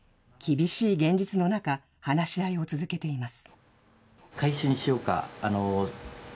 厳しい現実の中、話し合いを続けています。